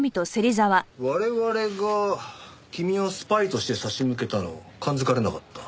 我々が君をスパイとして差し向けたの感付かれなかった？